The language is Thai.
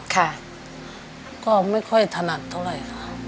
ก็ไม่ค่อยถนัดเท่าไร